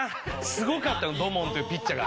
すごかったの土門っていうピッチャーが。